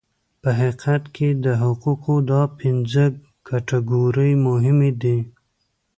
په حقیقت کې د حقوقو دا پنځه کټګورۍ مهمې دي.